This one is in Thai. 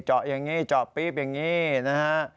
เจาะอย่างนี้เจาะปี๊บอย่างนี้นะฮะ